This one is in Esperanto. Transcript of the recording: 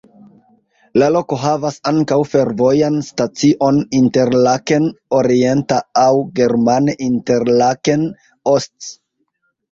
La loko havas ankaŭ fervojan stacion Interlaken orienta aŭ germane "Interlaken Ost.